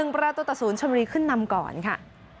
๑ประตูตะศูนย์ชะมรีขึ้นนำก่อนค่ะ